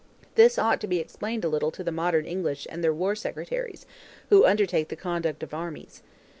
This ought to be explained a little to the modern English and their War Secretaries, who undertake the conduct of armies.